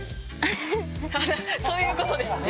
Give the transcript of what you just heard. ハハッそういうことですね。